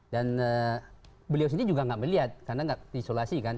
dan beliau sendiri juga nggak melihat karena nggak diisolasi kan